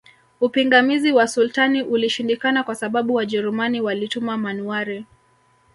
Upingamizi wa Sultani ulishindikana kwa sababu Wajerumani walituma manuwari